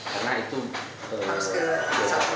karena itu komplain paling banyak sekarang ktp dan raka